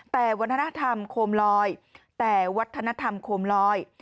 แต่วัฒนธรรมโคมลอยแต่วัฒนธรรมโคมลอย